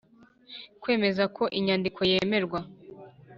kwemeza ko inyandiko yemerwa